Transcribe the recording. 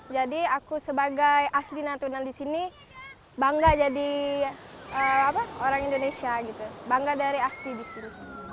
jadi aku sebagai asli natuna di sini bangga jadi orang indonesia gitu bangga dari asli di sini